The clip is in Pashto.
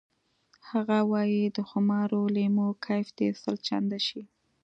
هغه وایی د خمارو لیمو کیف دې سل چنده شي